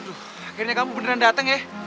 akhirnya kamu beneran dateng ya